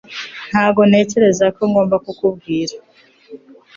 Ntabwo ntekereza ko ngomba kukubwira